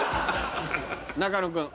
中野君。